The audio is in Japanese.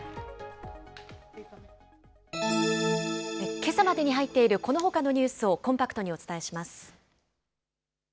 けさまでに入っているこのほかのニュースをコンパクトにお伝えします。